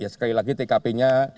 sekali lagi tkp nya